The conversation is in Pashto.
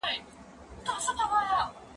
زه مېوې راټولې کړي دي